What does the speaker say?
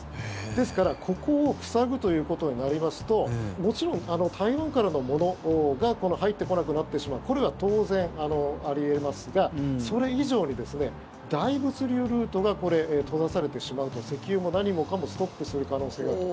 ですから、ここを塞ぐということになりますともちろん、台湾からのものが入ってこなくなってしまうこれは当然あり得ますがそれ以上に、大物流ルートが閉ざされてしまうと石油も何もかもストップする可能性があると。